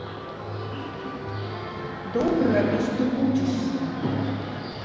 Добра, і што вучышся.